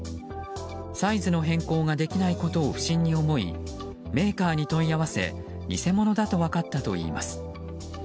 サイズの変更ができないことを不審に思いメーカーに問い合わせ偽物だと分かったといいます。